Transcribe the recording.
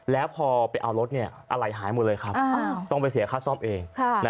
แล้วพอไปเอารถอะไรหายหมดเลยครับต้องไปเสียค่าซ่อมเอง